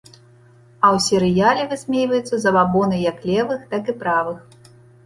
А ў серыяле высмейваюцца забабоны як левых, так і правых.